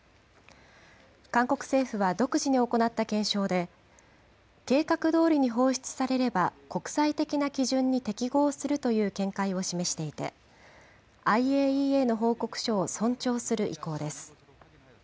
韓国政府は独自に行った検証で、計画どおりに放出されれば国際的な基準に適合するという見解を示していて、ＩＡＥＡの報告書を尊重する意向です。